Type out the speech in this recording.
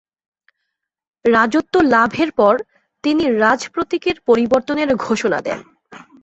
রাজত্ব লাভের পর তিনি রাজ প্রতীকের পরিবর্তনের ঘোষণা দেন।